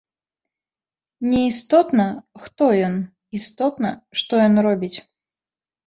Неістотна, хто ён, істотна, што ён робіць.